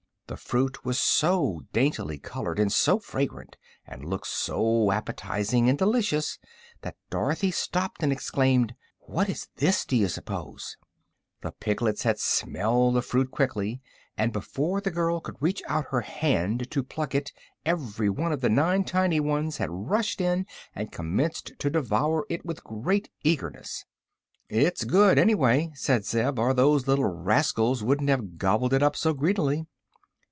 The fruit was so daintily colored and so fragrant, and looked so appetizing and delicious that Dorothy stopped and exclaimed: "What is it, do you s'pose?" The piglets had smelled the fruit quickly, and before the girl could reach out her hand to pluck it every one of the nine tiny ones had rushed in and commenced to devour it with great eagerness. "It's good, anyway," said Zeb, "or those little rascals wouldn't have gobbled it up so greedily."